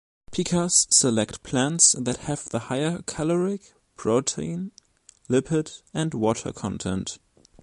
Pikas select plants that have the higher caloric, protein, lipid and water content.